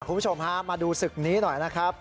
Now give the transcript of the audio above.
คุณผู้ชมฮะมาดูศึกนี้หน่อยนะครับ